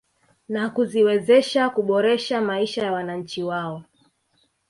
Na kuziwezeha kuboresha maisha ya wananchi wao